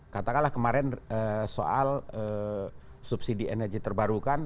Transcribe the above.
katakanlah kemarin soal subsidi energi terbarukan